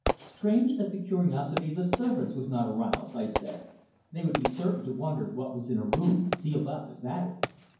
"Strange that the curiosity of the servants was not aroused," I said. "They would be certain to wonder what was in a room sealed up as that is."